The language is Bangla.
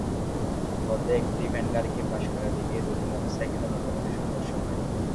পথে একটি ভ্যানগাড়িকে পাশ কাটাতে গিয়ে দুটি মোটরসাইকেলের মুখোমুখি সংঘর্ষ হয়।